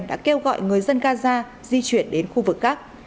đã kêu gọi người dân gaza di chuyển đến khu vực khác